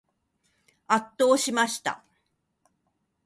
圧倒しました。